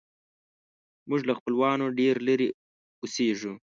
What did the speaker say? موږ له خپلوانو ډېر لیرې اوسیږو